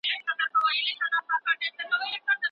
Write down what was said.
د مرګ تر ورځي دغه داستان دی